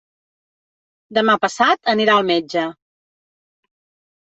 Demà passat anirà al metge.